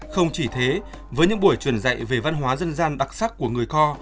không chỉ thế với những buổi truyền dạy về văn hóa dân gian đặc sắc của người kho